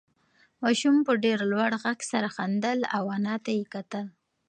ماشوم په ډېر لوړ غږ سره خندل او انا ته یې کتل.